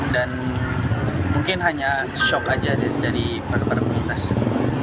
dan mungkin hanya syok saja dari para perempuan